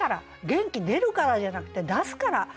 「元気出るから」じゃなくて「出すから」。